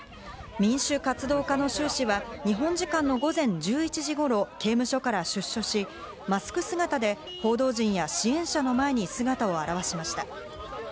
民主活動家のシュウ氏は日本時間の午前１１時頃、刑務所から出所し、マスク姿で報道陣や支援者の前に姿を現しました。